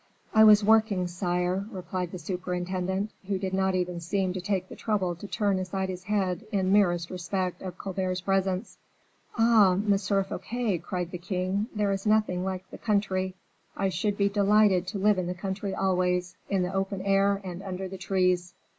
"I was working, sire," replied the superintendent, who did not even seem to take the trouble to turn aside his head in merest respect of Colbert's presence. "Ah! M. Fouquet," cried the king, "there is nothing like the country. I should be delighted to live in the country always, in the open air and under the trees."